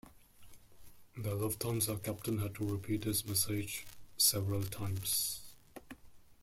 The Lufthansa captain had to repeat his message several times.